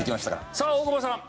さあ大久保さん。